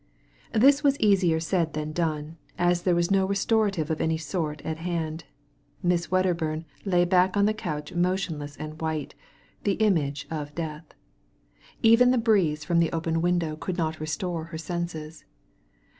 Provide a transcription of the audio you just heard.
This was easier said than done, as there was no restorative of any sort at hand. Miss Wedderbum lay back on the couch motionless and white, the image of death; even the breeze from the open %9% Digitized by Google THE MAD GARDENER 109 window could not restore her senses.